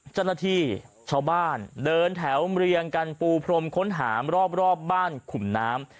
เจ้าหน้าที่ชาวบ้านเดินแถวเรียงกันปูพรมค้นหารอบบ้านขุมน้ำ